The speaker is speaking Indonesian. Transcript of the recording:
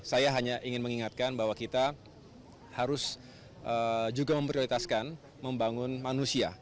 saya hanya ingin mengingatkan bahwa kita harus juga memprioritaskan membangun manusia